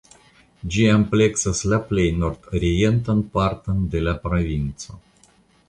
Ĝi ampleksas la plej nordorientan parton de la provinco.